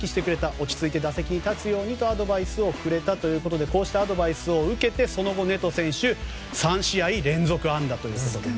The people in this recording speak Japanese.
落ち着いて打席に立つようにとアドバイスをくれたということでこうしたアドバイスを受けてその後、ネト選手は３試合連続安打ということで。